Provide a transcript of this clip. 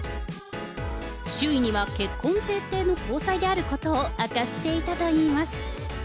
周囲には結婚前提の交際であることを明かしていたといいます。